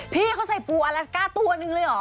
พี่เขาใส่ปูอเล็กก้าตัวหนึ่งเลยเหรอ